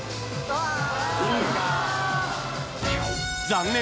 残念！